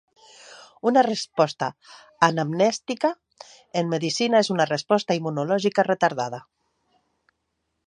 Una resposta anamnèstica en medicina és una resposta immunològica retardada.